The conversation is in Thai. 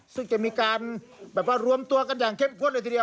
ซึ่งจะมีการแบบว่ารวมตัวกันอย่างเข้มข้นเลยทีเดียว